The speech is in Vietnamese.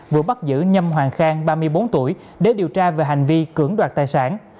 vừa bắt giữ nhâm hoàng khang ba mươi bốn tuổi để điều tra về hành vi cưỡng đoạt tài sản